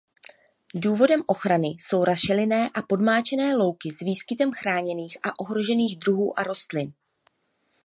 Důvodem ochrany jsou rašelinné a podmáčené louky s výskytem chráněných a ohrožených druhů rostlin.